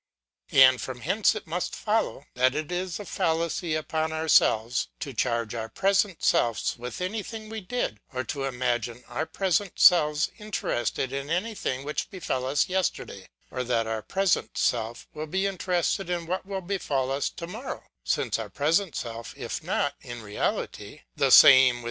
And from hence it must follow, that it is a fallacy upon our selves, to charge our present selves with anything we did, or to imagine our present selves interested in anything which befell us yesterday ; or that our present self will be interested in what will befall us to morrow : since our present self if not, in reality, the same with the self of 1 Locke, p.